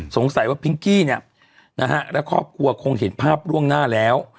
สงสัยว่าพิงกี้เนี่ยนะฮะและครอบครัวคงเห็นภาพล่วงหน้าแล้ว